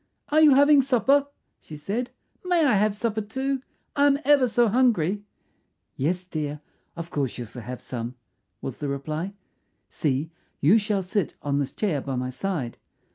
"Are you having supper?" she said. "May I have supper too? I am ever so hungry." "Yes, dear; of course you shall have some," was the reply. "See, you shall sit on this chair by my side.